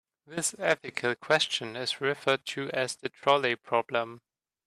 This ethical question is referred to as the trolley problem.